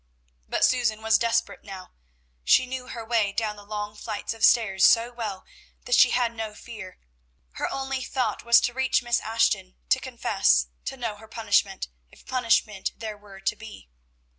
But Susan was desperate now; she knew her way down the long flights of stairs so well that she had no fear: her only thought was to reach Miss Ashton, to confess, to know her punishment, if punishment there were to be.